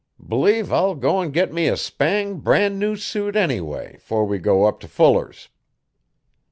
B'lieve I'll go'n git me a spang, bran' new suit, anyway, 'fore we go up t' Fuller's.'